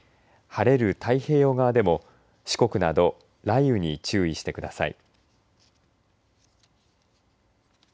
晴れる太平洋側でも四国など雷雨に注意してください。